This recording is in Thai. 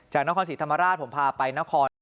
นครศรีธรรมราชผมพาไปนคร